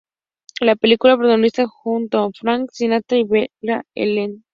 La película la protagoniza junto a Frank Sinatra y Vera Ellen.